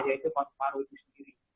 yaitu paru paru itu sendiri